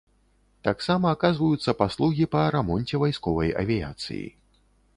Таксама аказваюцца паслугі па рамонце вайсковай авіяцыі.